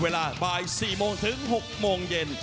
เวลาบ่าย๔โมงถึง๖โมงเย็น